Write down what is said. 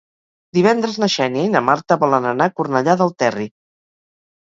Divendres na Xènia i na Marta volen anar a Cornellà del Terri.